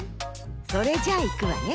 それじゃいくわね。